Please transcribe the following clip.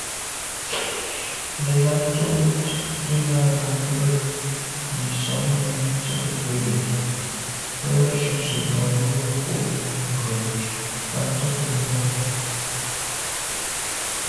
Nə̀ là’tə̌ wud, ndʉ̂lαlα mbə̌ nə̀ soŋ mɛ̌n zə̀ ò bə̂ yi lα, bə α̂ ju zə̀ mbὰwəlô kû’ni nə̀ ghʉ̀ mbὰndʉ̌kəlô lα.